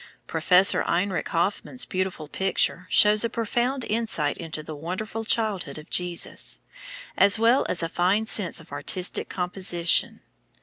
Professor Heinrich Hofmann's beautiful picture shows a profound insight into the wonderful childhood of Jesus, as well as a fine sense of artistic composition.